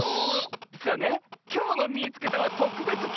じつはねきょうの「みいつけた！」はとくべつき